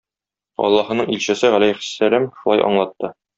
Аллаһының илчесе галәйһиссәләм шулай аңлатты